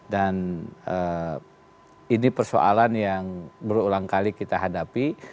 dan ini persoalan yang berulang kali kita hadapi